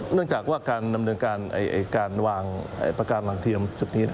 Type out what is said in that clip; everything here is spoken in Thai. เนื่องจากว่าการดำเนินการการวางประการบางเทียมจุดนี้